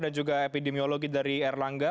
dan juga epidemiologi dari air langga